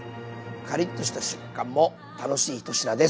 カリッとした食感も楽しい１品です。